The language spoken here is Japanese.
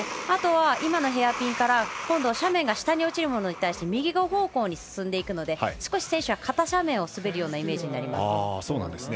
あとは、今のヘアピンから斜面が下に落ちるものに対して右方向に進んでいくので少し選手は片斜面を滑るイメージになります。